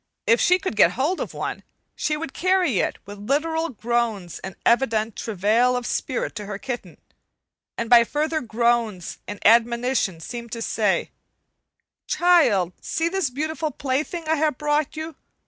If she could get hold of one, she would carry it with literal groans and evident travail of spirit to her kitten, and by further groans and admonitions seem to say: "Child, see this beautiful plaything I have brought you.